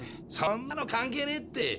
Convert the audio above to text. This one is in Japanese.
そんなの関係ねえって。